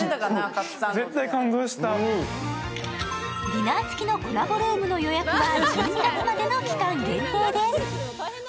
ディナー付きのコラボルームの予約は、１２月までの期間限定です。